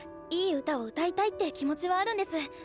いい歌を歌いたいって気持ちはあるんです。